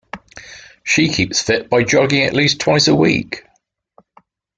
She keeps fit by jogging at least twice a week.